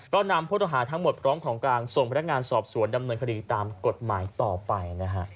ก็นำผู้ต้องหาทั้งหมดพร้อมของกลางส่งพนักงานสอบสวนดำเนินคดีตามกฎหมายต่อไปนะฮะ